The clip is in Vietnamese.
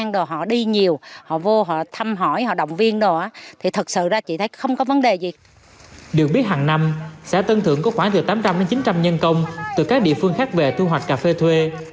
được biết hàng năm xã tân thượng có khoảng được tám trăm linh chín trăm linh nhân công từ các địa phương khác về thu hoạch cà phê thuê